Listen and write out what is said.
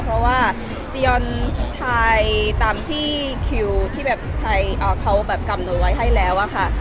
เพราะว่าจียอนถ่ายตามที่คิวที่แบบไทยเขาแบบกำหนดไว้ให้แล้วอะค่ะ